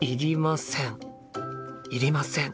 いりません。